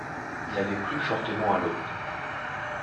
Il avait plu fortement à l'aube.